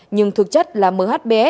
nhưng thực chất là mhb đã không có tài sản nợ